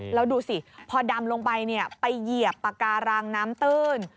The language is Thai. แล้วดูสิพอดำลงไปไปเหยียบปากการังน้ำตื้น